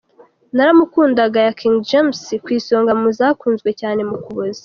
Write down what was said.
Naramukundaga ya King James ku isonga mu zakunzwe cyane mu Ukuboza.